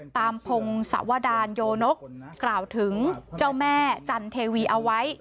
พงศวดารโยนกกล่าวถึงเจ้าแม่จันเทวีเอาไว้